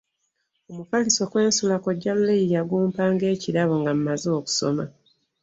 Omufaliso kwe nsula kkojja Lule ye yagumpa ng'ekirabo nga mmaze okusoma.